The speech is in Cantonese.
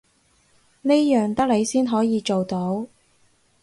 呢樣得你先可以做到